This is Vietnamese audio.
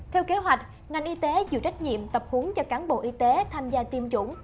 theo kế hoạch ngành y tế chịu trách nhiệm tập hướng cho cán bộ y tế tham gia tiêm chủng